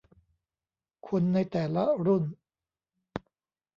คนในแต่ละรุ่น